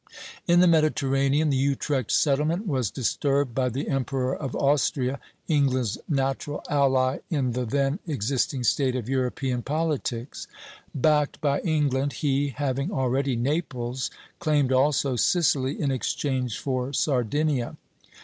In the Mediterranean, the Utrecht settlement was disturbed by the emperor of Austria, England's natural ally in the then existing state of European politics. Backed by England, he, having already Naples, claimed also Sicily in exchange for Sardinia.